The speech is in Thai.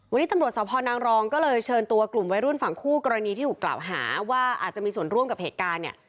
วันนี้ตำรวจสพนางรองก็เลยเชิญตัวกลุ่มวัยรุ่นฝั่งคู่กรณีที่ถูกกล่าวหาว่าอาจจะมีส่วนร่วมกับเหตุการณ์เนี่ย